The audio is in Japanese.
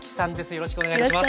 よろしくお願いします。